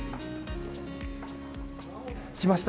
来ました。